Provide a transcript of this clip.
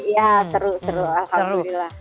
ya seru seru alhamdulillah